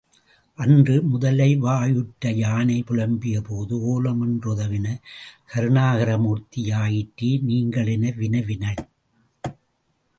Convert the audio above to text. அன்று முதலைவா யுற்றயானை புலம்பிய போது ஒலமென்றுதவின கருணாகர மூர்த்தி யாயிற்றே நீங்கள் என வினவினள்.